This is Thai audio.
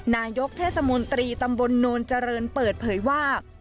นายกเทศมนตรีตำบลโนนเจริญเปิดเผยว่า